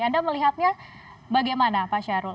anda melihatnya bagaimana pak syahrul